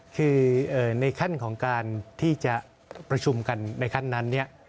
คือในขั้นของการที่จะประชุมกันในขั้นนั้นเนี่ย